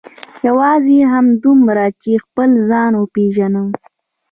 یوازې همدومره چې خپل ځان وپېژنم.